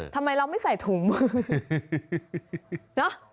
ทำไมเราไม่ใส่ถุงมือ